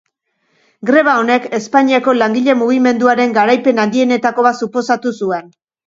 Greba honek Espainiako langile-mugimenduaren garaipen handienetako bat suposatu zuen.